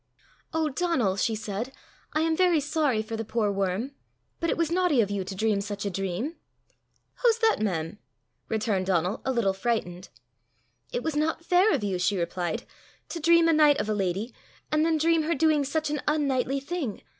"O Donal!" she said, "I am very sorry for the poor worm; but it was naughty of you to dream such a dream." "Hoo's that, mem?" returned Donal, a little frightened. "It was not fair of you," she replied, "to dream a knight of a lady, and then dream her doing such an unknightly thing.